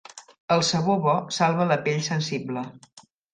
El sabó bo salva la pell sensible.